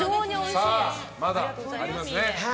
さあ、まだありますね。